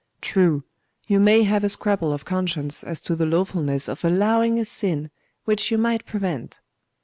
True, you may have a scruple of conscience as to the lawfulness of allowing a sin which you might prevent.